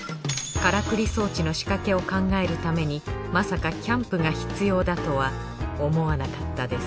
からくり装置の仕掛けを考えるためにまさかキャンプが必要だとは思わなかったです